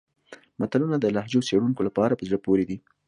متلونه د لهجو څېړونکو لپاره په زړه پورې دي